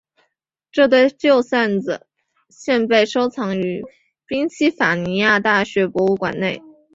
这对旧扇子现被收藏于宾夕法尼亚大学博物馆内。